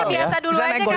biasa dulu aja kali ya